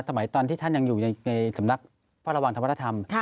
สมัยตอนที่ท่านยังอยู่ในสำนักประวังธรรมธรรม